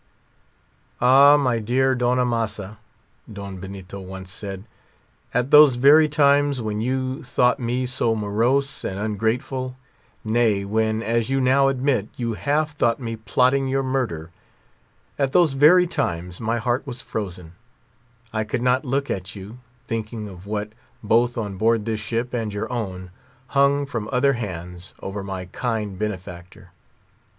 "Ah, my dear friend," Don Benito once said, "at those very times when you thought me so morose and ungrateful, nay, when, as you now admit, you half thought me plotting your murder, at those very times my heart was frozen; I could not look at you, thinking of what, both on board this ship and your own, hung, from other hands, over my kind benefactor.